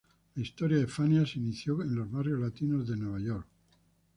La historia de Fania se inició en los barrios latinos de Nueva York.